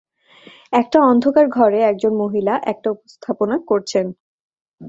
একটা অন্ধকার ঘরে একজন মহিলা একটা উপস্থাপনা করছেন।